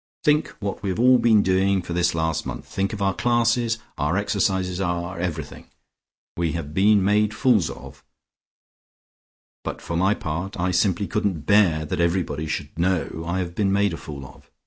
Think what we have all been doing for this last month, think of our classes, our exercises, our everything. We have been made fools of, but for my part, I simply couldn't bear that everybody should know I had been made a fool of.